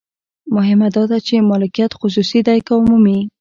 مهمه دا ده چې مالکیت خصوصي دی که عمومي.